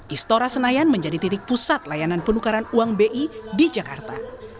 istora senayan menjadi titik pusat layanan penukaran uang bi di jakarta